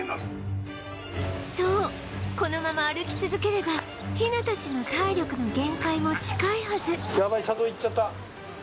そうこのまま歩き続ければヒナたちの体力の限界も近いはず